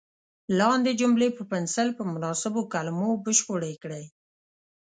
لاندې جملې په پنسل په مناسبو کلمو بشپړې کړئ.